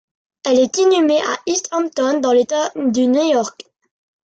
Elle est inhumée à East Hampton, dans l'État de New York.